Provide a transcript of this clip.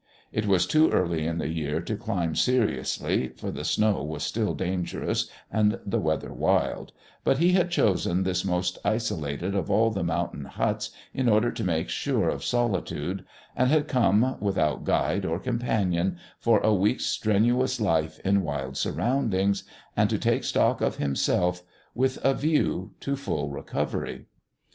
It was too early in the year to climb seriously, for the snow was still dangerous and the weather wild, but he had chosen this most isolated of all the mountain huts in order to make sure of solitude, and had come, without guide or companion, for a week's strenuous life in wild surroundings, and to take stock of himself with a view to full recovery.